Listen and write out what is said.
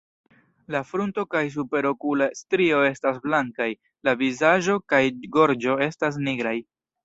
La frunto kaj superokula strio estas blankaj; la vizaĝo kaj gorĝo estas nigraj.